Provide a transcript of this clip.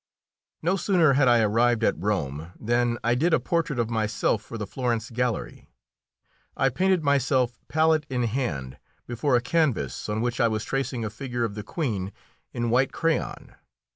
No sooner had I arrived at Rome than I did a portrait of myself for the Florence gallery. I painted myself palette in hand before a canvas on which I was tracing a figure of the Queen in white crayon.